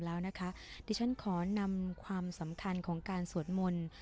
แล้วนะคะดิฉันขอนำความสำคัญของการสวดมนต์